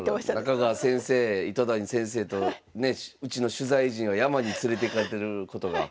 中川先生糸谷先生とねうちの取材陣は山に連れていかれることが決まりましたんで。